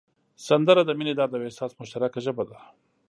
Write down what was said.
سندره د مینې، درد او احساس مشترکه ژبه ده